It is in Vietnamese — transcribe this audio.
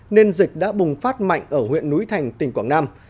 nên dịch đã bùng phát mạnh ở huyện núi thành tỉnh quảng nam